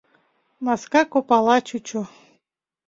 Маска копала чучо.